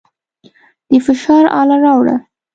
د فشار اله راوړه.